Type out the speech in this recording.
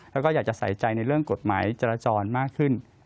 แล้วก็อยากจะใส่ใจในเรื่องกฎหมายจราจรมากขึ้น